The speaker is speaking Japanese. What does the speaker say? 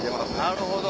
なるほど。